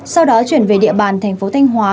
sau đó chuyển về địa bàn tp thanh hóa